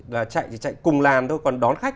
là chạy thì chạy cùng làn thôi còn đón khách